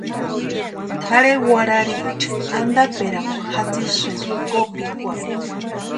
Tʼarhe warhariecha antaperakwa jatsisïnti kopikwarhu.